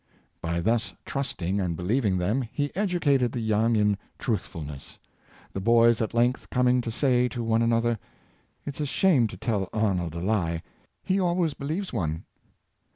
By thus trusting and be lieving them, he educated the young in truthfulness; the boys at length coming to say to one another: ''Its a shame to tell Arnold a lie — he always believes one."